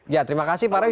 ya terima kasih pak roy